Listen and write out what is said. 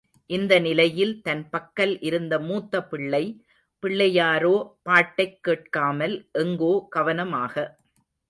இந்த நிலையில் தன் பக்கல் இருந்த மூத்த பிள்ளை, பிள்ளையாரோ பாட்டைக் கேட்காமல் எங்கோ கவனமாக.